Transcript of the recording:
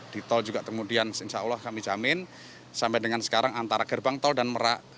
di tol juga kemudian insya allah kami jamin sampai dengan sekarang antara gerbang tol dan merak